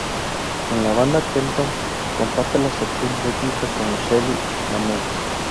En la banda de Kenton, comparte la sección rítmica con Shelly Manne.